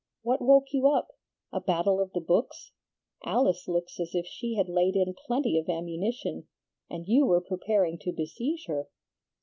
What woke you up? A battle of the books? Alice looks as if she had laid in plenty of ammunition, and you were preparing to besiege her."